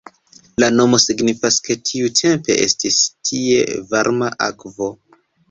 La nomo signifas, ke tiutempe estis tie varma akvo.